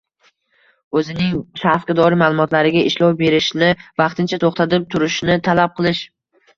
o‘zining shaxsga doir ma’lumotlariga ishlov berishni vaqtincha to‘xtatib turishni talab qilish